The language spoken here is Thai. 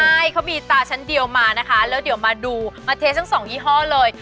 ใช่เขามีตาชั้นเดียวมานะคะแล้วเดี๋ยวมาดูมาเททั้งสองยี่ห้อเลย